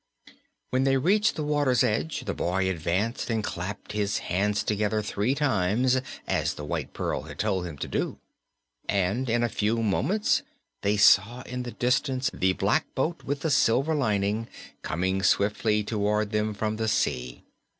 When they reached the water's edge the boy advanced and clapped his hands together three times, as the White Pearl had told him to do. And in a few moments they saw in the distance the black boat with the silver lining, coming swiftly toward them from the sea.